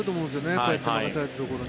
こうやって任されたところ。